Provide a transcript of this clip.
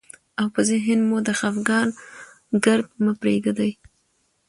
او په ذهن مو د خفګان ګرد مه پرېږدئ،